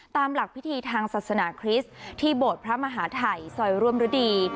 ตามหลักพิธีทางศาสนาคริสต์ที่โบสถ์พระมหาถัยซอยร่วมฤดี